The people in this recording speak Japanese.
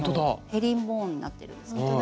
ヘリンボーンになってるんですけども。